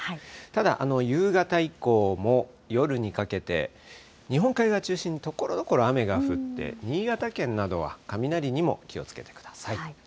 ただ、夕方以降も、夜にかけて、日本海側を中心にところどころ雨が降って、新潟県などは雷にも気をつけてください。